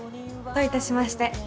どういたしまして。